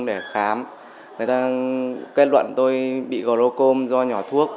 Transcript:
khi đi làm thì tôi đi đến bệnh viện khám người ta kết luận tôi bị gồ lô côm do nhỏ thuốc